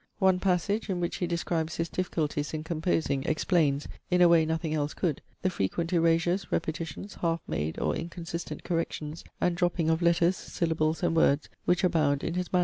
One passage, in which he describes his difficulties in composing, explains, in a way nothing else could, the frequent erasures, repetitions, half made or inconsistent corrections, and dropping of letters, syllables, and words, which abound in his MSS.